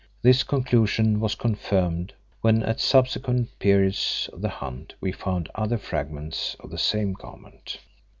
This conclusion was confirmed when at subsequent periods of the hunt we found other fragments of the same garment.